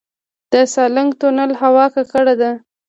د سالنګ تونل هوا ککړه ده